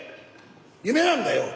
夢なんだよ！